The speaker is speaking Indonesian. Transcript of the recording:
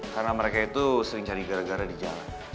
karena mereka itu sering cari gara gara di jalan